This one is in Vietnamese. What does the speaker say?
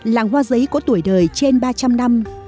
làng hoa giấy có tuổi đời trên ba trăm linh năm